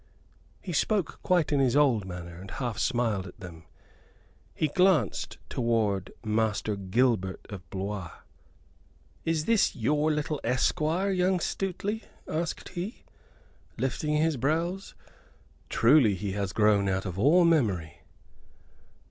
He spoke quite in his old manner, and half smiled at them. He glanced toward Master Gilbert of Blois. "Is this your little esquire, young Stuteley?" asked he, lifting his brows. "Truly he has grown out of all memory."